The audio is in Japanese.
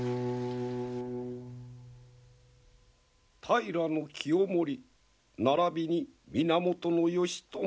平清盛ならびに源義朝こ